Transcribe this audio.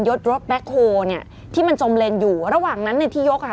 ยดรถแบ็คโฮที่มันจมเรนอยู่ระหว่างนั้นที่ยกอะ